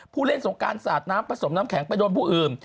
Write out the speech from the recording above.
ผู้เล่นสงการสาดน้ำผสมน้ำแข็งไปโดนผู้อื่น